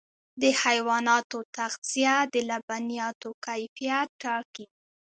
د حیواناتو تغذیه د لبنیاتو کیفیت ټاکي.